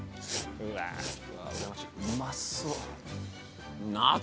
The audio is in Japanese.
うまそう。